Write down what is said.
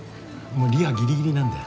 もうリハギリギリなんだよ。